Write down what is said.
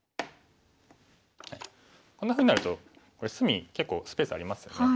こんなふうになるとこれ隅結構スペースありますよね。